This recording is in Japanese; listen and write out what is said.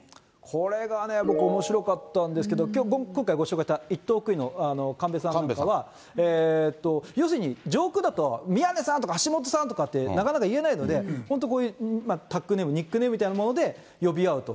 これがね、僕、おもしろかったんですけど、今回、ご紹介した１等空尉の神戸さんなんかは、要するに、上空だと、宮根さんとか橋本さんって、なかなか言えないので、本当こういうタックネーム、ニックネームみたいなもので呼び合うと。